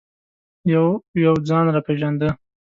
یو یو ځان را پېژانده.